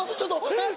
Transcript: えっ！？